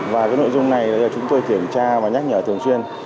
và nội dung này chúng tôi kiểm tra và nhắc nhở thường xuyên